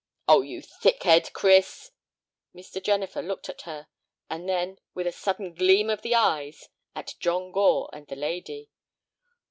"Oh, you thick head, Chris!" Mr. Jennifer looked at her, and then, with a sudden gleam of the eyes, at John Gore and the lady.